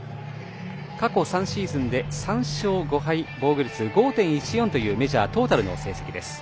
過去３シーズンで３勝５敗防御率５．１４というメジャートータルの成績です。